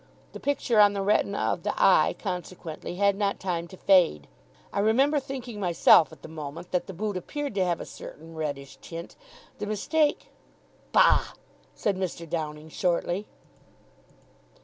The picture on the retina of the eye, consequently, had not time to fade. I remember thinking myself, at the moment, that the boot appeared to have a certain reddish tint. The mistake " "Bah!" said Mr. Downing shortly.